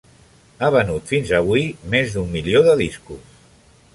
Ha venut fins avui més d'un milió de discos.